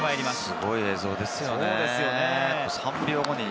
すごい映像ですよね。